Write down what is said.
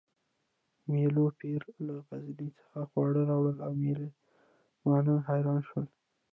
مېلو پېري له غزني څخه خواړه راوړل او مېلمانه حیران شول